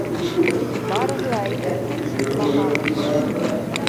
Барыһы ла һәйбәт, шыртламағыҙ.